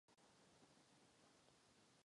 Hry jsou dostupné v českém i anglické jazyce.